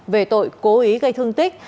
về tội cố ý gây thương tích